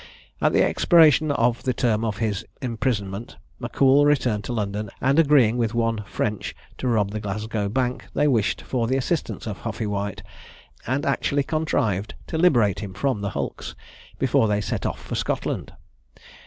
At the expiration of the term of his imprisonment, Mackcoull returned to London, and agreeing with one French to rob the Glasgow bank, they wished for the assistance of Huffey White, and actually contrived to liberate him from the hulks, before they set off for Scotland.